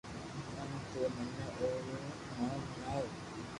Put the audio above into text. ڪاو تو منو او رو نوم ھڻَاوُ